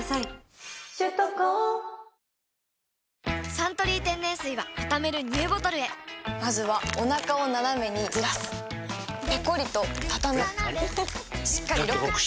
「サントリー天然水」はたためるＮＥＷボトルへまずはおなかをナナメにずらすペコリ！とたたむしっかりロック！